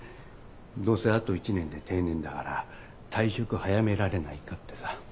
どうせあと１年で定年だから退職早められないかってさ。